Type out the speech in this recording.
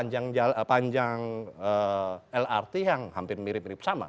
jadi panjang lrt yang hampir mirip mirip sama